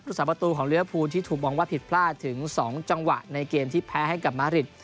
สาประตูของเรือภูที่ถูกมองว่าผิดพลาดถึง๒จังหวะในเกมที่แพ้ให้กับมาริด